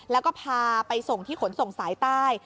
แล้วก็พาไปส่งที่ขนส่งสายใต้